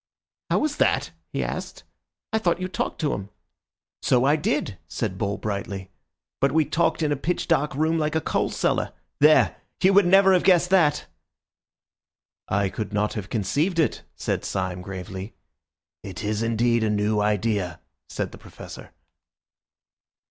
"How was that?" he asked. "I thought you talked to him." "So I did," said Bull brightly; "but we talked in a pitch dark room like a coalcellar. There, you would never have guessed that." "I could not have conceived it," said Syme gravely. "It is indeed a new idea," said the Professor.